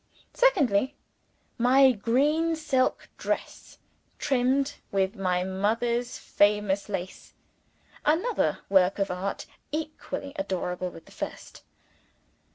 Secondly, my green silk dress, trimmed with my mother's famous lace another work of Art, equally adorable with the first.